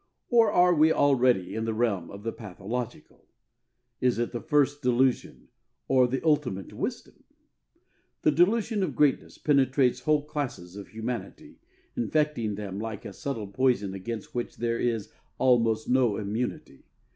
Or are we already in the realm of the pathological? Is it the first delusion or the ultimate wisdom? The delusion of greatness penetrates whole classes of humanity, infecting them like a subtle poison against which there is almost no immunity.